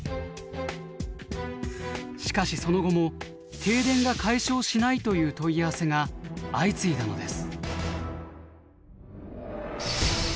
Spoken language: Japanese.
しかしその後も停電が解消しないという問い合わせが相次いだのです。